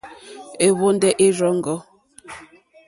Ɛ́hwɔ̀ndɛ́ ɛ́ rzɔ́ŋɡɔ̂.